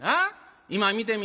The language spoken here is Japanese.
今見てみ。